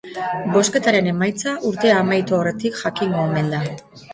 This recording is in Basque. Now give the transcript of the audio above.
Bozketaren emaitza urtea amaitu aurretik jakingo omen da.